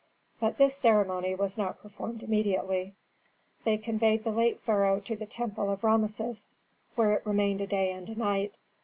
But this ceremony was not performed immediately. They conveyed the late pharaoh to the temple of Rameses, where it remained a day and a night.